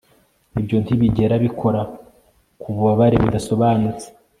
ibyo ntibigera bikora ku bubabare budasobanutse